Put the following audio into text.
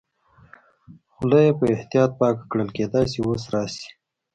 خوله یې په احتیاط پاکه کړل، کېدای شي اوس راشي.